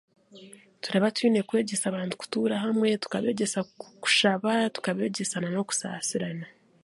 Turaba twine kwegyesa abantu kutuura hamwe, tukabegyesa kushaba, kandi tukabeegyesa n'okusaasirana.